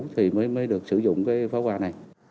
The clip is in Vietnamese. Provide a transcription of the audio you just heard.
thì mới được sử dụng cái pháo hoa này